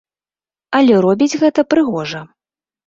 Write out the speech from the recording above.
Але робіць гэта прыгожа.